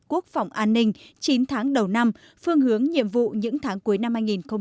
quốc phòng an ninh chín tháng đầu năm phương hướng nhiệm vụ những tháng cuối năm hai nghìn hai mươi